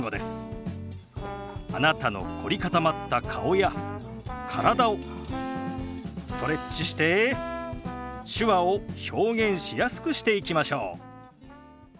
あなたの凝り固まった顔や体をストレッチして手話を表現しやすくしていきましょう。